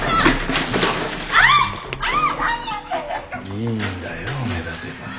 いいんだよ目立てば。